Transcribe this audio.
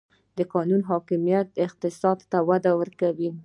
د قانون حاکمیت اقتصاد ته وده ورکوي؟